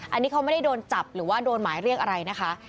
อันนี้เขาไม่ได้โดนจับหรือว่าโดนหมายเรียกอะไรนะคะ